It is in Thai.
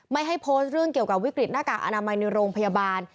ไม่ให้โพสต์เรื่องเกี่ยวกับวิกฤตหน้ากากอนามัยในโรงพยาบาล